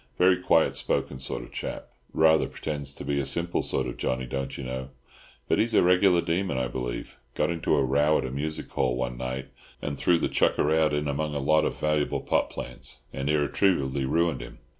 Very quiet spoken sort of chap—rather pretends to be a simple sort of Johnny, don't you know, but he's a regular demon, I believe. Got into a row at a music hall one night, and threw the chucker out in among a lot of valuable pot plants, and irretrievably ruined him."